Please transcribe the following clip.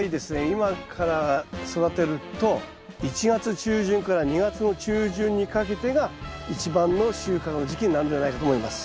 今から育てると１月中旬から２月の中旬にかけてが一番の収穫の時期になるんじゃないかと思います。